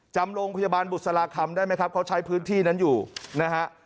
จำโรงพยาบาลบุษราคำได้ไหมครับเขาใช้พื้นที่นั้นอยู่นะฮะ